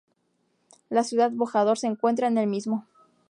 La ciudad Bojador se encuentra en el mismo.